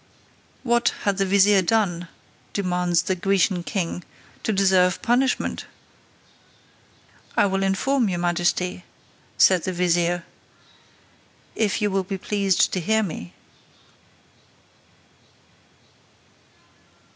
"What had the vizier done," demands the Grecian king, "to deserve punishment?" "I will inform your majesty," said the vizier, "if you will be pleased to hear me."